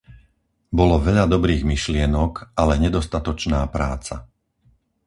Bolo veľa dobrých myšlienok, ale nedostatočná práca.